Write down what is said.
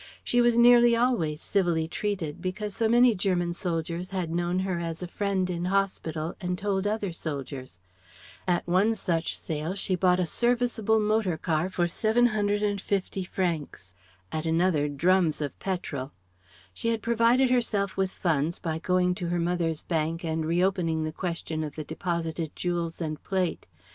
She was nearly always civilly treated, because so many German soldiers had known her as a friend in hospital and told other soldiers. At one such sale she bought a serviceable motor car for 750 francs; at another drums of petrol. She had provided herself with funds by going to her mother's bank and reopening the question of the deposited jewels and plate.